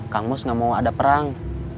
kang mus nggak mau ada perang